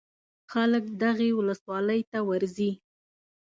خلک دغې ولسوالۍ ته ورځي.